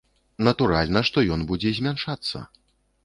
Натуральна, што ён будзе змяншацца.